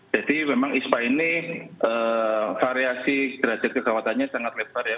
jadi memang ispa ini variasi grader kekhawatannya sangat lebar ya